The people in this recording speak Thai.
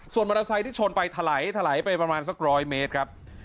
ส่วนมอเตอร์ไซค์ที่ชนไปถลายถลายไปประมาณสัก๑๐๐เมตรครับ